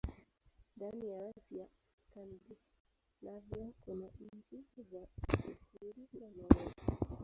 Ndani ya rasi ya Skandinavia kuna nchi za Uswidi na Norwei.